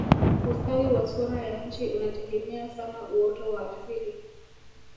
ustawi wa sura ya nchi unategemea sana uoto wa asili